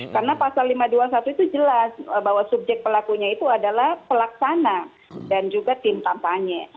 karena pasal lima ratus dua puluh satu itu jelas bahwa subjek pelakunya itu adalah pelaksana dan juga tim kampanye